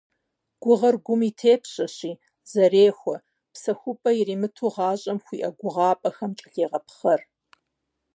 Гугъэр гум и тепщэщи, зэрехуэ, псэхупӏэ иримыту - гъащӏэм хуиӏэ гугъапӏэхэм кӏэлъегъэпхъэр.